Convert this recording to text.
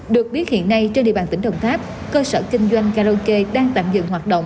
được biết hiện nay trên địa bàn tỉnh đồng tháp cơ sở kinh doanh karaoke đang tạm dừng hoạt động